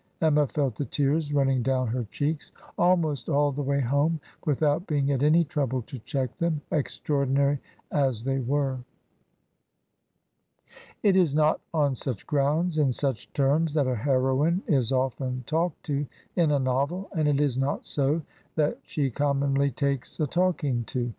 . Emma felt the tears running down her cheeks almost all the way home, without being at any trouble to check them, extraordinary as they were.'' It is not on such grounds, in such terms, that a heroine is often talked to in a novel, and it is not so that she commonly takes a talking to.